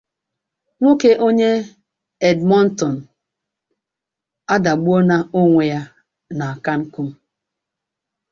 Nwoke onye Edmonton adagbuona onwe ya na Cancun